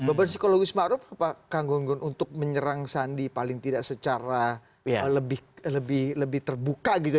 beban psikologis maruf apa kang gung gun untuk menyerang sandi paling tidak secara lebih terbuka gitu ya